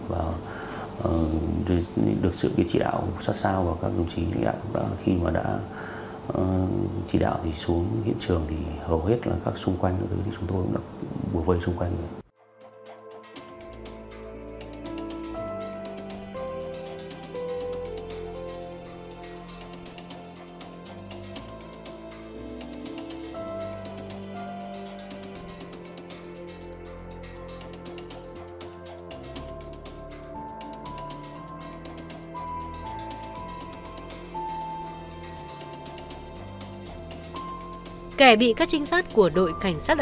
bằng những kỹ thuật